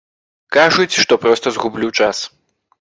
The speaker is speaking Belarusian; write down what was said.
Кажуць, што проста згублю час.